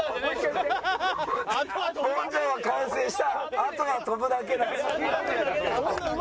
あとは跳ぶだけだ。